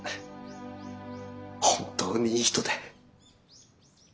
本当にいい人で。